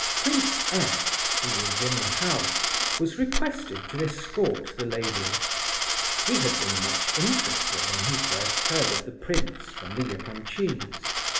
Prince S., who was in the house, was requested to escort the ladies. He had been much interested when he first heard of the prince from the Epanchins.